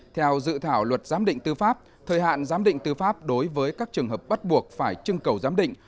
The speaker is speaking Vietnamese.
theo dự thảo luật giám định tư pháp thời hạn giám định tư pháp đối với các trường hợp bắt buộc phải trưng cầu giám định